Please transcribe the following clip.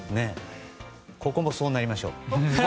ここもそうなりましょう。